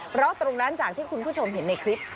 เพราะตรงนั้นจากที่คุณผู้ชมเห็นในคลิป